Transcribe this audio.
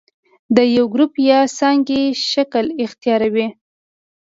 د یو ګروپ یا څانګې شکل اختیاروي.